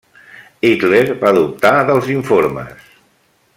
Hitler va dubtar dels informes.